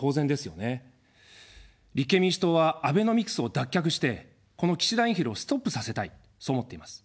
立憲民主党はアベノミクスを脱却して、この岸田インフレをストップさせたい、そう思っています。